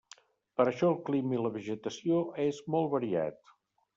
Per això el clima i la vegetació és molt variat.